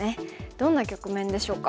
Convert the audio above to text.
どんな局面でしょうか。